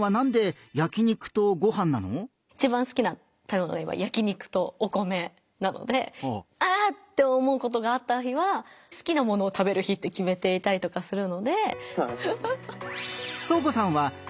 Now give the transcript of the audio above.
いちばん好きな食べ物が今焼肉とお米なのであぁっ！って思うことがあった日は好きなものを食べる日って決めていたりとかするので。